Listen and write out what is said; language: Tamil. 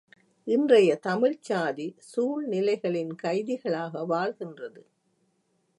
இன்றைய தமிழ்ச்சாதி, சூழ்நிலைகளின் கைதிகளாக வாழ்கின்றது.